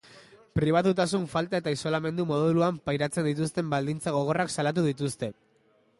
Pribatutasun falta eta isolamendu moduloan pairatzen dituzten baldintza gogorrak salatu dituzte.